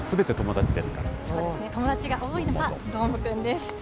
友達が多いのがどーもくんです。